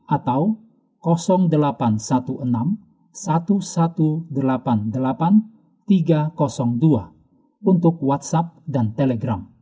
atau delapan ratus enam belas seribu satu ratus delapan puluh delapan tiga ratus dua untuk whatsapp dan telegram